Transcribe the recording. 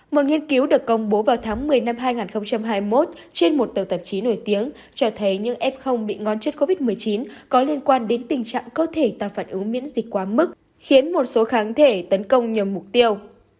một nghiên cứu được công bố vào tháng một mươi năm hai nghìn hai mươi một trên một tờ tạp chí nổi tiếng cho thấy những f bị ngón chất covid một mươi chín có liên quan đến tình trạng cơ thể ta phản ứng miễn dịch quá mức khiến một số kháng thể tấn công nhằm mục tiêu